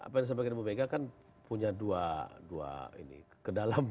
pada saat saya mengenai ibu mega kan